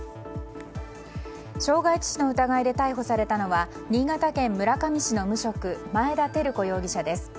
傷害致死の疑いで逮捕されたのは新潟県村上市の無職前田輝子容疑者です。